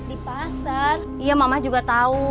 ibu sama anak saya gak ada